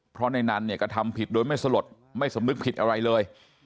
เพราะในนั้นเนี่ยกระทำผิดโดยไม่สลดไม่สำนึกผิดอะไรเลย